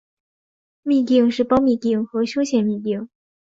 嘧啶是胞嘧啶和胸腺嘧啶。